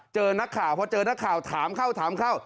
เจอนักข่าวพอเจอนักข่าวถามเข้าถามเข้า